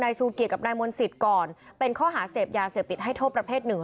ชูเกียจกับนายมนต์สิทธิ์ก่อนเป็นข้อหาเสพยาเสพติดให้โทษประเภทหนึ่ง